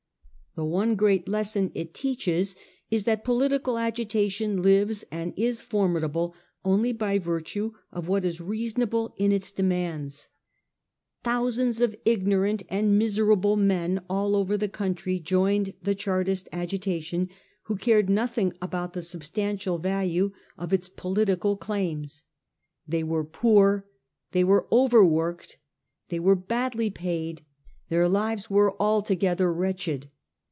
The one great lesson it teaches is, that political agitation fives and is formidable only by virtue of what is reasonable in its demands. Thousands of ignorant and miserable men all over the country joined the Chartist agitation who cared nothing about the substantial value of its political 104 A HISTORY OF OUR OWN TIMES. CH. T. claims. They were poor, they were overworked, they were badly paid, their lives were altogether wretched.